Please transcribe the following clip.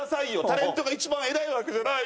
タレントが一番偉いわけじゃない。